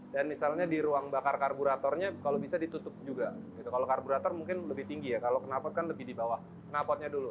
dan misalnya di ruang bakar karburatornya kalau bisa ditutup juga kalau karburator mungkin lebih tinggi ya kalau kenal pot kan lebih di bawah kenal potnya dulu